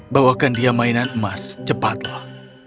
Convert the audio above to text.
bawakan dia mainan emas cepatlah